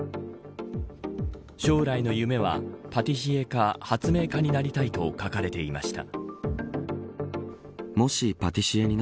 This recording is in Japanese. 将来の夢はパティシエか発明家になりたいと書かれていました。